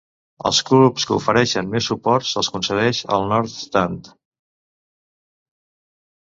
Als clubs que ofereixen més suport se'ls concedeix el North Stand.